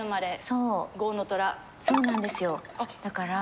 そうなんですよだから。